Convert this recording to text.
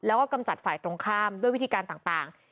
แล้วก็กำจัดฝ่ายตรงข้ามด้วยวิธีการต่าง